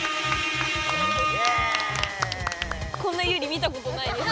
こんなユウリ見たことないです。